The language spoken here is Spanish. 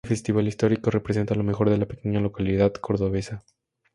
Este festival histórico, representa lo mejor de la pequeña localidad cordobesa.